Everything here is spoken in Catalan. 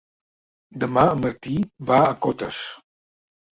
Demà en Martí va a Cotes.